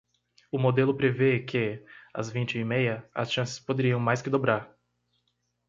O modelo prevê que, às vinte e meia, as chances poderiam mais que dobrar.